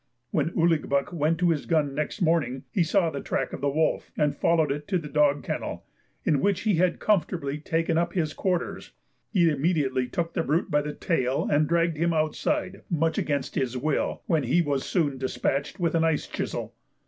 When Ouligbuck went to his gun next morning, he saw the track of the wolf, and followed it to the dog kennel, in which he had comfortably taken up his quarters; he immediately took the brute by the tail and dragged him outside much against his will, when he was soon dispatched with an ice chisel.